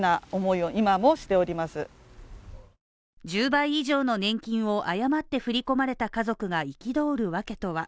１０倍以上の年金を誤って振り込まれた家族が憤るわけとは？